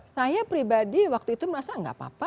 saya pribadi waktu itu merasa nggak apa apa